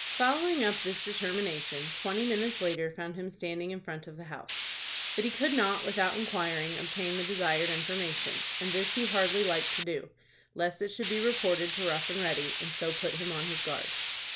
Following up this determination, twenty minutes later found him standing in front of the house. But he could not, without inquiring, obtain the desired information, and this he hardly liked to do, lest it should be reported to Rough and Ready, and so put him on his guard.